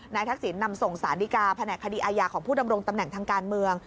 ทักษิณนำส่งสารดีกาแผนกคดีอาญาของผู้ดำรงตำแหน่งทางการเมือง